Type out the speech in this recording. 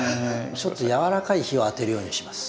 ちょっとやわらかい日を当てるようにします。